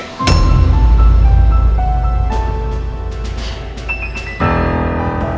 gak bisa ya